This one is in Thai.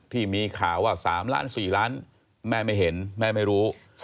ที่มีข่าวว่า๓ล้าน๔ล้านแม่ไม่เห็นแม่ไม่รู้